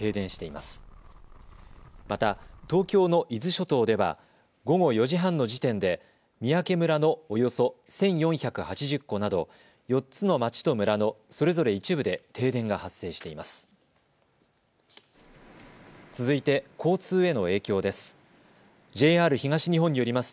また、東京の伊豆諸島では午後４時半の時点で三宅村のおよそ１４８０戸など４つの町と村のそれぞれ一部で停電が発生しています。